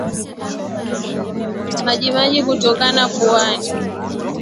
Majimaji kutoka puani